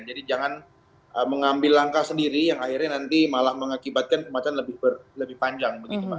jadi jangan mengambil langkah sendiri yang akhirnya nanti malah mengakibatkan kemacetan lebih panjang